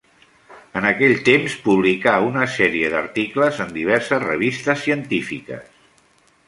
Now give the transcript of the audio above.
En aquell temps publicà una sèrie d'articles en diverses revistes científiques.